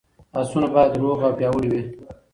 اسونه باید روغ او پیاوړي وي.